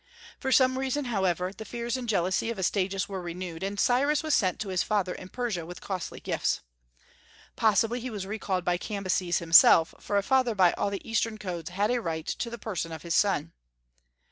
For some reason, however, the fears and jealousy of Astyages were renewed, and Cyrus was sent to his father in Persia with costly gifts. Possibly he was recalled by Cambyses himself, for a father by all the Eastern codes had a right to the person of his son.